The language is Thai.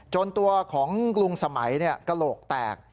ตัวของลุงสมัยกระโหลกแตก